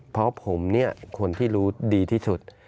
เพราะผมเนี่ยคนที่รู้ดีที่สุด